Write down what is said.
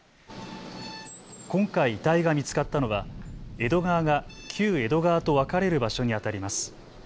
今回、遺体が見つかったのは江戸川が旧江戸川と分かれる場所にあたります。